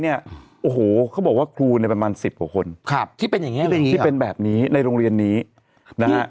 เด็กหลวง๑๐หัวคนที่เป็นอย่างนี้นะเป็นยังงี่เป็นแบบนี้ในโรงเรียนนี้ละครับ